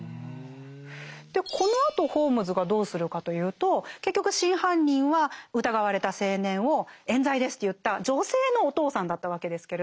でこのあとホームズがどうするかというと結局真犯人は疑われた青年を冤罪ですと言った女性のお父さんだったわけですけれども。